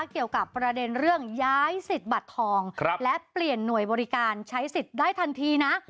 เกี่ยวกับประเด็นเรื่องย้ายสิทธิ์บัตรทองและเปลี่ยนหน่วยบริการใช้สิทธิ์ได้ทันทีนะ